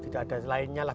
tidak ada lainnya lah